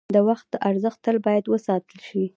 د وخت ارزښت تل باید وساتل شي.